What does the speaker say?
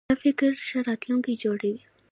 ښه فکر ښه راتلونکی جوړوي.